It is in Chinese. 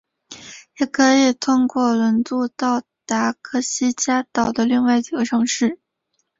也可以通过轮渡到达科西嘉岛的另外几个城市。